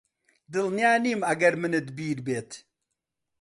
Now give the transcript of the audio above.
دڵنیا نیم ئەگەر منت بیر بێت